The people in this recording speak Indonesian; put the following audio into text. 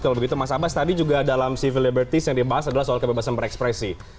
kalau begitu mas abas tadi juga dalam civil liberties yang dibahas adalah soal kebebasan berekspresi